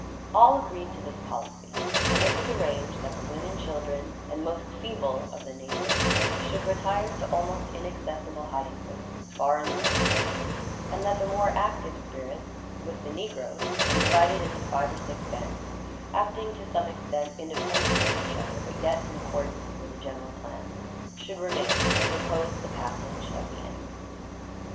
All agreed to this policy; and it was arranged that the women, children, and most feeble of the natives should retire to almost inaccessible hiding places, far in the mountains; and that the more active spirits, with the negroes, and divided into five or six bands, acting to some extent independently of each other, but yet in accordance with a general plan, should remain to oppose the passage of the enemy.